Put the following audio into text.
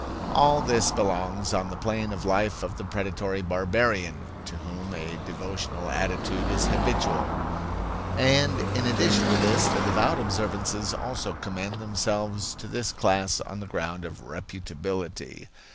All this belongs on the plane of life of the predatory barbarian, to whom a devotional attitude is habitual. And in addition to this, the devout observances also commend themselves to this class on the ground of reputability.